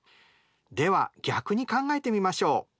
では逆に考えてみましょう。